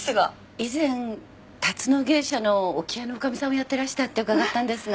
以前龍野芸者の置屋の女将さんをやってらしたって伺ったんですが。